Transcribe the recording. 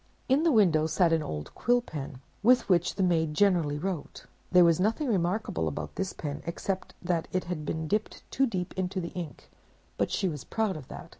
"In the window sat an old Quill Pen, with which the maid generally wrote: there was nothing remarkable about this pen, except that it had been dipped too deep into the ink, but she was proud of that.